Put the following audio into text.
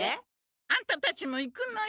アンタたちも行くのよ。